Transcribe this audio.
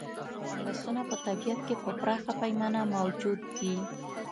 فنګسونه په طبیعت کې په پراخه پیمانه موجود دي.